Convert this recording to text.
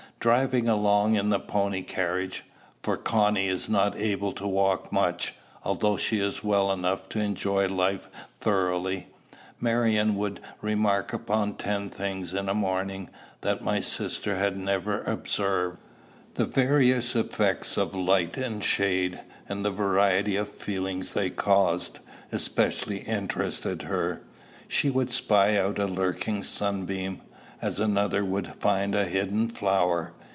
Driving along in the pony carriage, for Connie is not able to walk much, although she is well enough to enjoy life thoroughly, Marion would remark upon ten things in a morning, that my sister had never observed. The various effects of light and shade, and the variety of feeling they caused, especially interested her. She would spy out a lurking sunbeam, as another would find a hidden flower.